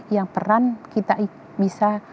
yang peran kita bisa